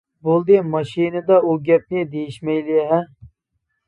بولدى ماشىنىدا ئۇ گەپنى دېيىشمەيلى ھە!